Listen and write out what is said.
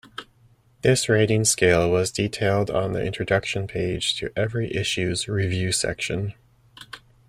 This ratings scale was detailed on the introduction page to every issue's review section.